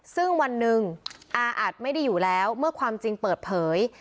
ซึ่งวันหนึ่งอาอัดไม่ได้อยู่แล้วเมื่อความจริงเปิดเผย